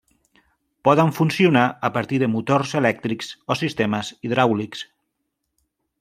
Poden funcionar a partir de motors elèctrics o sistemes hidràulics.